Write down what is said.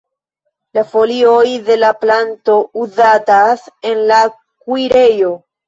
La folioj de la planto uzatas en la kuirejo.